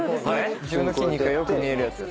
自分の筋肉がよく見えるやつ。